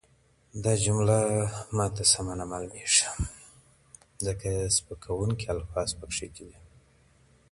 ښایي ړوند سړی له ږیري سره بې ډاره اتڼ وکړي.